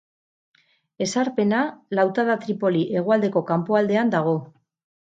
Ezarpena lautada Tripoli hegoaldeko kanpoaldean dago.